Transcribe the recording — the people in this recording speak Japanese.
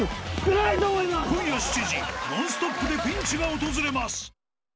今夜７時ノンストップでピンチが訪れます。